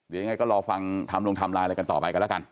พอฟังทำลงทำลายอะไรกันต่อไปกันแล้วกัน